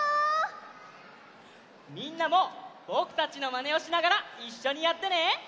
みんなもぼくたちのまねをしながらいっしょにやってね！